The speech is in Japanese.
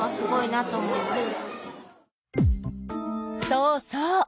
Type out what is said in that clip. そうそう。